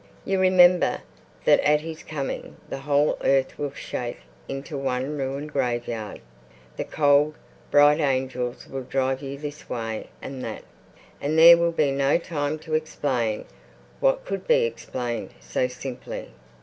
You remember that at His coming the whole earth will shake into one ruined graveyard; the cold, bright angels will drive you this way and that, and there will be no time to explain what could be explained so simply....